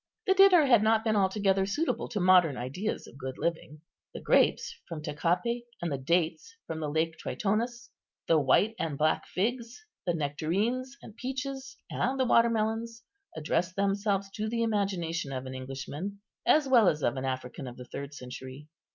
The dinner had not been altogether suitable to modern ideas of good living. The grapes from Tacape, and the dates from the lake Tritonis, the white and black figs, the nectarines and peaches, and the watermelons, address themselves to the imagination of an Englishman, as well as of an African of the third century.